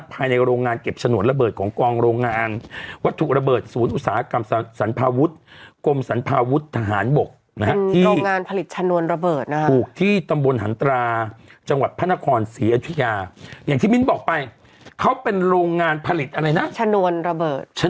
ภายในโรงงานเก็บฉะนวดระเบิดของกองโรงงานวัตถุระเบิดศูนย์อุตสาหกรรมสัมภาพวุธ